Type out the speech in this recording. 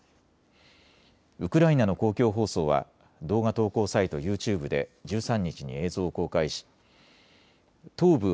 ウクライナの公共放送は動画投稿サイト、ユーチューブで１３日に映像を公開し東部